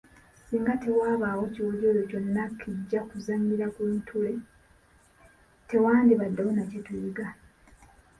Singa tewabaawo kiwojjolo kyonna kijja kuzannyira ku ttule, tewandibaddeko na kye tuyiga.